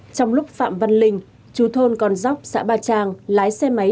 trong lúc phạm văn linh chú thôn con dốc xã ba trang lái xe máy